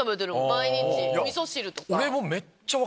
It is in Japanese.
毎日みそ汁とか。